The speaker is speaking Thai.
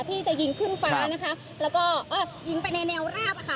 ที่จะยิงขึ้นฟ้านะคะแล้วก็เออยิงไปในแนวราบอะค่ะ